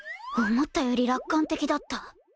思ったより楽観的だった